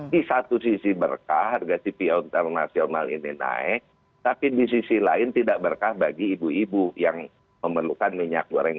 di satu sisi berkah harga cpo internasional ini naik tapi di sisi lain tidak berkah bagi ibu ibu yang memerlukan minyak goreng